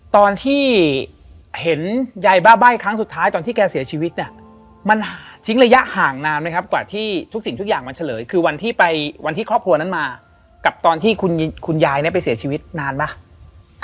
ตอนที่เห็นยายบ้าใบ้ครั้งสุดท้ายตอนที่แกเสียชีวิตเนี่ยมันทิ้งระยะห่างนานไหมครับกว่าที่ทุกสิ่งทุกอย่างมันเฉลยคือวันที่ไปวันที่ครอบครัวนั้นมากับตอนที่คุณยายไปเสียชีวิตนานไหม